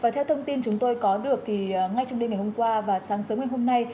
theo thông tin chúng tôi có được thì ngay trong đêm ngày hôm qua và sáng sớm ngày hôm nay